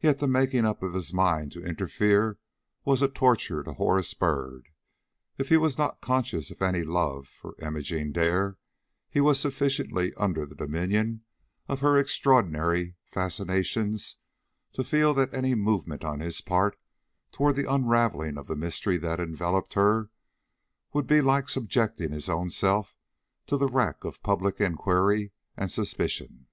Yet the making up of his mind to interfere was a torture to Horace Byrd. If he was not conscious of any love for Imogene Dare, he was sufficiently under the dominion of her extraordinary fascinations to feel that any movement on his part toward the unravelling of the mystery that enveloped her, would be like subjecting his own self to the rack of public inquiry and suspicion.